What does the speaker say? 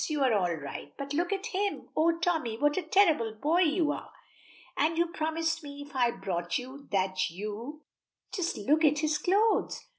you are all right, but look at him! Oh! Tommy, what a terrible boy you are. And you promised me if I brought you, that you Just look at his clothes!"